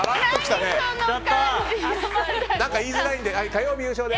何か言いづらいので。